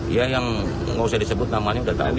ya yang nggak usah disebut namanya udah tadi